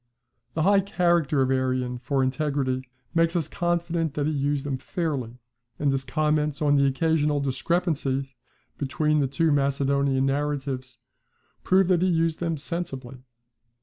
The high character of Arrian for integrity makes us confident that he used them fairly, and his comments on the occasional discrepancies between the two Macedonian narratives prove that he used them sensibly.